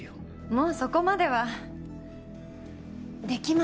もうそこまではできますけど。